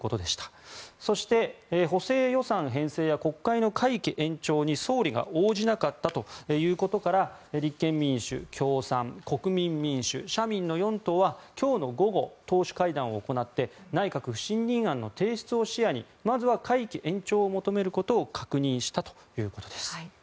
そして補正予算編成や国会の会期延長に総理が応じなかったということから立憲民主、共産国民民主、社民の４党は今日の午後党首会談を行って内閣不信任案の提出を視野にまずは、会期延長を求めることを確認したということです。